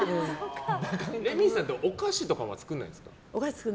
レミさんってお菓子とかは作らないですか。